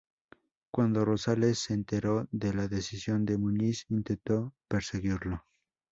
Cuando Rosales se enteró de la decisión de Muñiz intentó perseguirlo.